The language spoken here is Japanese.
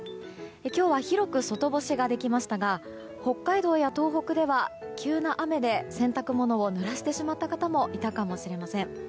今日は広く外干しができましたが北海道や東北では急な雨で洗濯物を濡らしてしまった方もいたかもしれません。